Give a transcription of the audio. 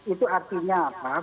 itu artinya apa